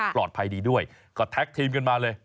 ปลอดภัยดีด้วยก็แท็กทีมกันมาเลย